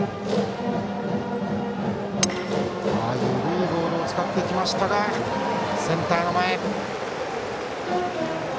緩いボールを使ってきましたがセンター前。